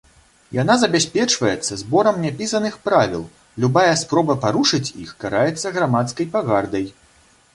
Яна забяспечваецца зборам няпісаных правіл, любая спроба парушыць іх караецца грамадскай пагардай.